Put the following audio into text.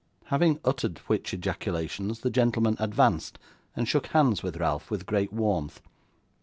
Having uttered which ejaculations, the gentleman advanced, and shook hands with Ralph, with great warmth.